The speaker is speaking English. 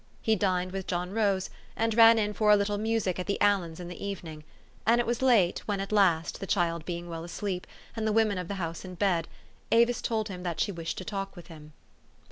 He dined with John Rose, and ran in for a little music at the Aliens in the evening ; and it was late when at last, the child being well asleep, and the women of the house in bed, Avis told him that she wished to talk with him.